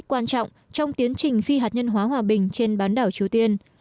quan trọng trong tiến trình phi hạt nhân hóa hòa bình trên bán đảo triều tiên